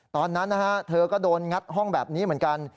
ตอนนั้นนะฮะเธอก็โดนงัดห้องแบบนี้เหมือนกัน